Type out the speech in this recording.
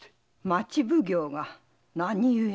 町奉行が何ゆえ？